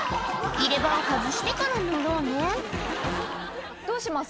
入れ歯を外してから乗ろうねどうします？